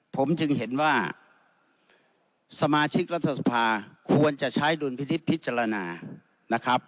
ผมจึงเห็นว่าสมาชิกรัฐสภาควรจะใช้ดุลพินิษฐ์พิจารณานะครับ